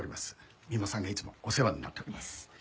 三馬さんがいつもお世話になっております。